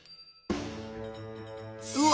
うわ！